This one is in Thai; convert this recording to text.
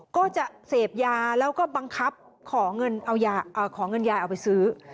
ก็จะเสพยาแล้วก็บังคับขอเงินยายเอาไปซื้อ